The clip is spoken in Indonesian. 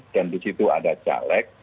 dan di situ ada caleg